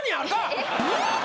えっ？